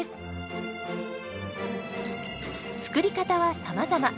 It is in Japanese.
作り方はさまざま。